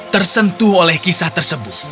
tersentuh oleh kisah tersebut